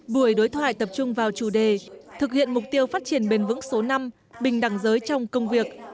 buổi đối thoại tập trung vào chủ đề thực hiện mục tiêu phát triển bền vững số năm bình đẳng giới trong công việc